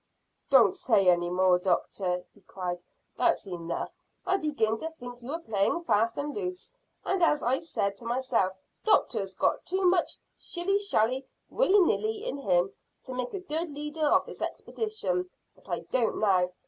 "Don't say any more, doctor," he cried. "That's enough. I began to think you were playing fast and loose, and I said to myself, Doctor's got too much shilly shally, willy nilly in him to make a good leader of this expedition, but I don't now.